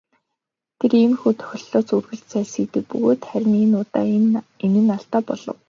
Тэр иймэрхүү тохиолдлоос үргэлж зайлсхийдэг бөгөөд харин энэ удаа энэ нь алдаа болов.